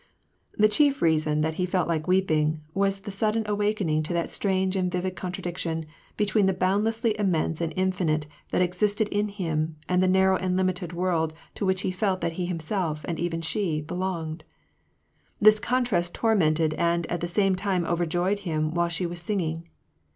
The chief reason that he felt like weeping was the sudden awakening to that strange and vivid contradic4;ion between the boundlessly immense and infinite that existed in him, and the narrow and limited world to which he felt that he himself, and even she, belonged. This contrast tormented, and, at the same time, overjoyed him, while she was singing.